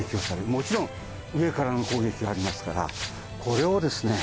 もちろん上からの攻撃がありますからこれをですね